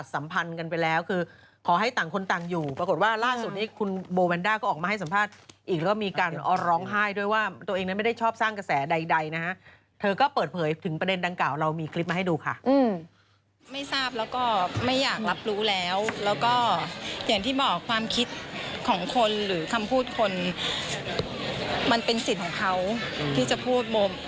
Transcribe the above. คือขอให้ต่างคนต่างอยู่ปรากฏว่าล่าสุดนี้คุณโบแวนด้าก็ออกมาให้สัมภาษณ์อีกแล้วก็มีการร้องไห้ด้วยว่าตัวเองนั้นไม่ได้ชอบสร้างกระแสใดนะฮะเธอก็เปิดเผยถึงประเด็นดังกล่าวเรามีคลิปมาให้ดูค่ะไม่ทราบแล้วก็ไม่อยากรับรู้แล้วแล้วก็อย่างที่บอกความคิดของคนหรือคำพูดคนมันเป็นสิทธิ์ของเขาที่จะพูดมุม